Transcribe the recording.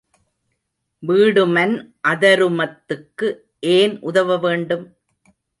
வீடுமன் அதருமத்துக்கு ஏன் உதவ வேண்டும்?